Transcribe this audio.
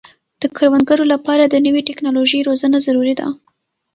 د کروندګرو لپاره د نوې ټکنالوژۍ روزنه ضروري ده.